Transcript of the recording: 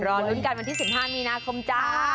รอลุ้นกันวันที่๑๕มีนาคมจ้า